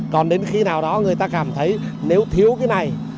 còn đến khi nào đó người ta cảm thấy nếu thiếu cái này